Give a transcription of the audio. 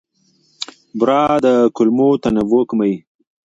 بوره د کولمو تنوع کموي.